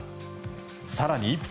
更に。